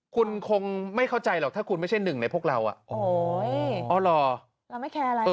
คุณคงไม่เข้าใจหรอกถ้าคุณไม่ใช่หนึ่งในพวกเราอ่ะโอ้โหอ๋อเหรอเราไม่แคร์อะไร